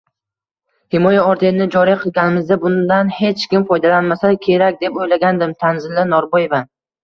«Himoya orderini joriy qilganimizda bundan hech kim foydalanmasa kerak deb o‘ylagandim» – Tanzila Norboyeva